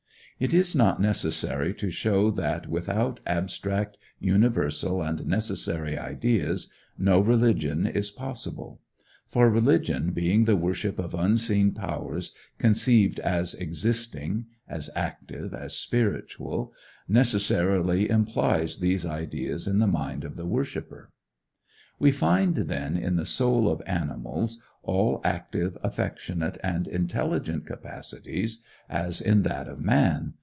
It is not necessary to show that without abstract, universal, and necessary ideas no religion is possible; for religion, being the worship of unseen powers, conceived as existing, as active, as spiritual, necessarily implies these ideas in the mind of the worshiper. We find, then, in the soul of animals all active, affectionate, and intelligent capacities, as in that of man.